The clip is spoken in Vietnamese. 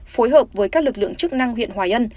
phối hợp với các lực lượng chức năng huyện hòa ân